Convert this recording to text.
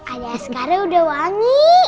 ayah sekarang udah wangi